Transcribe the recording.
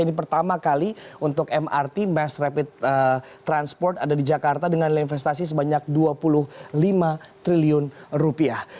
ini pertama kali untuk mrt mass rapid transport ada di jakarta dengan nilai investasi sebanyak dua puluh lima triliun rupiah